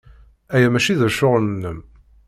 Aya maci d ccɣel-nnem.